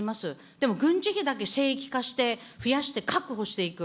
でも軍事費だけ聖域化して、増やして確保していく。